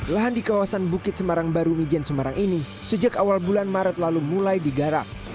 lahan di kawasan bukit semarang baru mijen semarang ini sejak awal bulan maret lalu mulai digarap